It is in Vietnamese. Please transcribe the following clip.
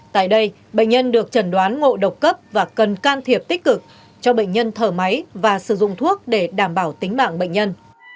tại đây bệnh nhân được trần đoán ngộ độc cấp và cần can thiệp tích cực cho bệnh nhân thở máy và sử dụng thuốc để đảm bảo tính mạng bệnh nhân